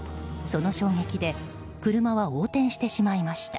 その衝撃で車は横転してしまいました。